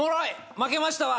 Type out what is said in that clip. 負けましたわ！